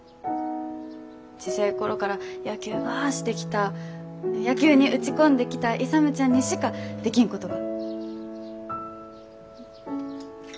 小せえ頃から野球ばあしてきた野球に打ち込んできた勇ちゃんにしかできんことが。